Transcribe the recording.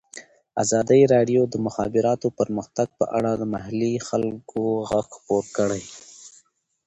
ازادي راډیو د د مخابراتو پرمختګ په اړه د محلي خلکو غږ خپور کړی.